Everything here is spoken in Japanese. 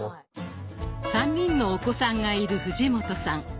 ３人のお子さんがいる藤本さん。